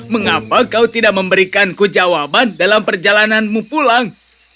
mengapa kau tidak memberikanku jawaban dalam perjalananmu pulang